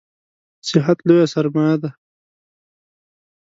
صحت لویه سرمایه ده